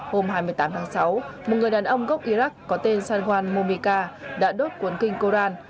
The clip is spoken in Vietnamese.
hôm hai mươi tám tháng sáu một người đàn ông gốc iraq có tên sanwan momika đã đốt cuốn kinh koran